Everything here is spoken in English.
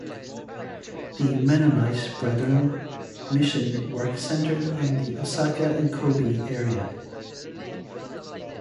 The "Mennonite Brethren" mission work centered on the Osaka and Kobe area.